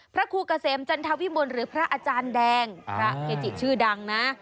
พระครูเกษมจันทวิมลหรือพระอาจารย์แดงพระเกจิชื่อดังนะ